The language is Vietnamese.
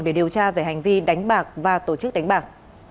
để điều tra về hành vi đánh bạc và tổ chức đánh bạc